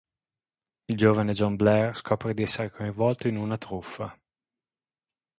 Il giovane John Blair scopre di essere coinvolto in una truffa.